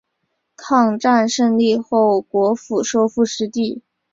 抗战胜利后国府收复失地。